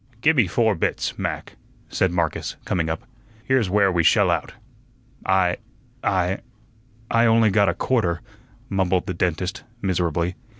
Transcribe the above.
"Gi' me four bits, Mac," said Marcus, coming up. "Here's where we shell out." "I I I only got a quarter," mumbled the dentist, miserably.